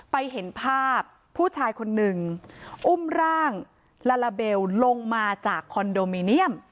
เห็นภาพผู้ชายคนหนึ่งอุ้มร่างลาลาเบลลงมาจากคอนโดมิเนียม